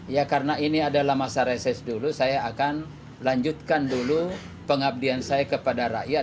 ya karena ini adalah masa reses dulu saya akan lanjutkan dulu pengabdian saya kepada rakyat